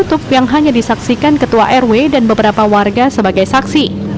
tutup yang hanya disaksikan ketua rw dan beberapa warga sebagai saksi